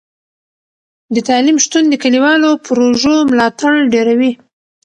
د تعلیم شتون د کلیوالو پروژو ملاتړ ډیروي.